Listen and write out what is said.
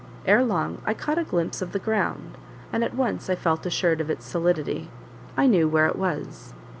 Ere long I caught a glimpse of the ground, and at once I felt assured of its solidity; I knew where it was.